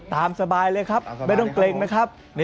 ตามสบายเลยครับไม่ต้องเกร็งนะครับ